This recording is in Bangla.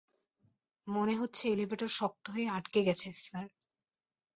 মনে হচ্ছে এলিভেটর শক্ত হয়ে আটকে গেছে, স্যার।